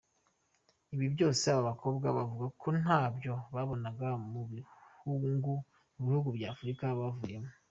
Ibi byose aba bakobwa bavuga ko ntabyo babonaga mu bihugu bya Afurika bavuyemo.